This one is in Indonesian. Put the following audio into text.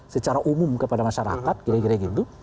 secara umum kepada masyarakat kira kira gitu